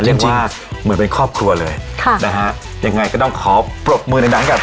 เรียกว่าเหมือนเป็นครอบครัวเลยค่ะนะฮะยังไงก็ต้องขอปรบมือในนั้นกับ